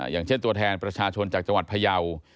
อย่างเช่นตัวแทนประชาชนจากจังหวัดพยาว